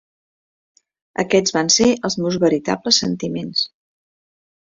Aquests van ser els meus veritables sentiments.